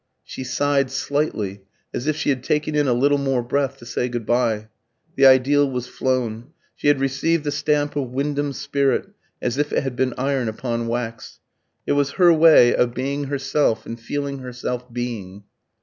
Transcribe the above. She sighed slightly, as if she had taken in a little more breath to say good bye. The ideal was flown. She had received the stamp of Wyndham's spirit, as if it had been iron upon wax. It was her way of being herself and feeling herself being.